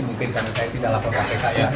mungkin karena saya tidak laporkan kegiatan